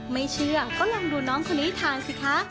ไม่เชื่อก็ลองดูน้องคนนี้ทานสิคะ